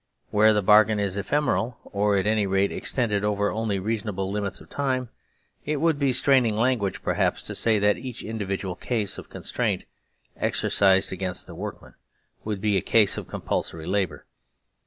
Where the bargain is ephemeral or at any rate extended over only reasonable limits of time, it would be straining language perhaps to say that each individual case of constraint exercised against the workmen would be a case of compulsory labour.